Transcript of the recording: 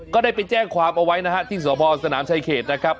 ก็ได้ไปแจ้งความเอาไว้นะฮะที่สพสนามชายเขตนะครับ